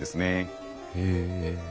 へえ。